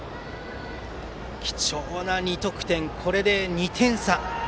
貴重な２得点、これで２点差。